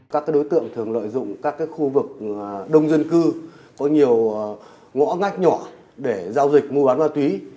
các đối tượng thường lợi dụng các khu vực đông dân cư có nhiều ngõ ngách nhỏ để giao dịch mua bán ma túy